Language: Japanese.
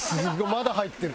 まだ入ってる。